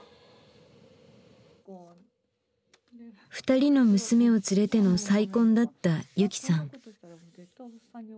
２人の娘を連れての再婚だった雪さん。